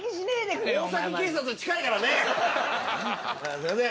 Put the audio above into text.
すいません。